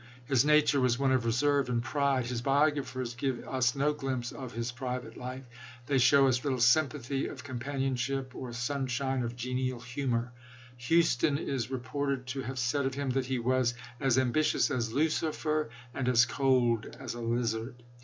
His nature was one of reserve and pride. His biographers give us no glimpse of his private life. They show us little sympathy of companion ship, or sunshine of genial humor. Houston is reported to have said of him that he was " as am bitious as Lucifer and as cold as a lizard."